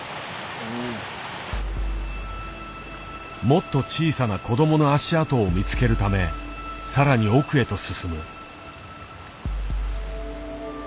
もっと小さな子供の足跡を見つけるため更に奥へと進む。